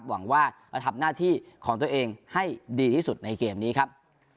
หวังว่าจะทำหน้าที่ของตัวเองให้ดีที่สุดในเกมนี้ครับ